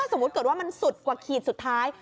สมมุติเกิดว่ามันสุดกว่าขีดสุดท้าย